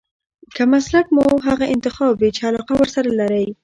که مسلک مو هغه انتخاب وي چې علاقه ورسره لرئ.